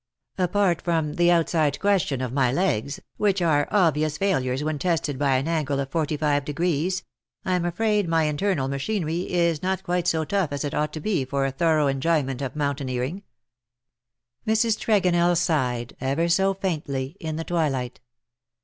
Apart from the outside question of my legs — which are obvious failures when tested by an angle of forty five degrees — I'm afraid my internal machinery is not quite so tough as it ought to be for a thorough enjoyment of moun taineering." Mrs. Tregonell sighed, ever so faintly, in the twilight.